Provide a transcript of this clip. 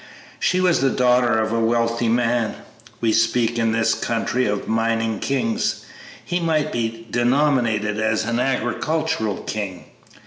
She was the daughter of a wealthy man. We speak in this country of 'mining kings;' he might be denominated an 'agricultural king.'